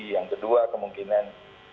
yang kedua kemungkinan